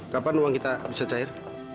kapan uang kita bisa cair